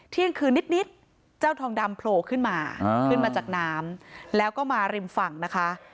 เที่ยงคืนนิดเจ้าทองดำโผล่ขึ้นมาขึ้นมาจากน้ำแล้วก็มาริมฝั่งนะคะ